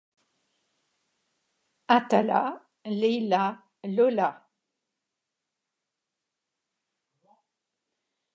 Atala, Léila, Lola